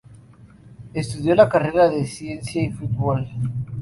Estudio la carrera de Ciencia y Fútbol.